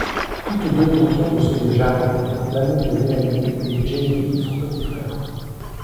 Toutes deux tenteront de sauver Jared, l'amour de Mélanie, et Jamie, son petit frère.